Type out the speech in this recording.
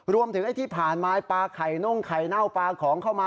ไอ้ที่ผ่านมาปลาไข่น่งไข่เน่าปลาของเข้ามา